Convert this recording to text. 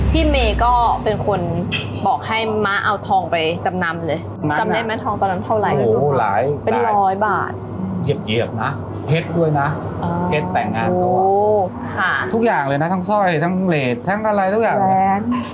พี่เมย์ก็เป็นคนบอกให้ม้าเอาทองไปจำนำเลย